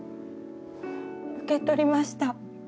受け取りました。